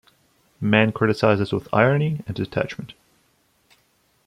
Mann criticizes with irony and detachment.